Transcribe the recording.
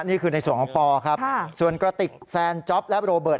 นี่คือในส่วนของปอครับส่วนกระติกแซนจ๊อปและโรเบิร์